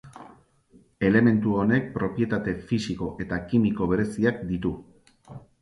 Elementu honek propietate fisiko eta kimiko bereziak ditu.